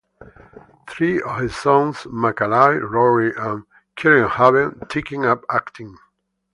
Three of his sonsMacaulay, Rory, and Kieranhave taken up acting.